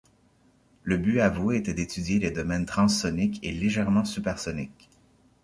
Le but avoué était d’étudier les domaines transsoniques et légèrement supersoniques.